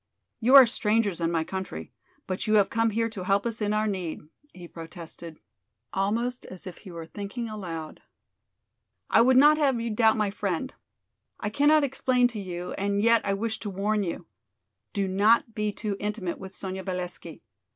"You are strangers in my country, but you have come here to help us in our need," he protested, almost as if he were thinking aloud. "I would not have you doubt my friend. I cannot explain to you, and yet I wish to warn you. Do not be too intimate with Sonya Valesky.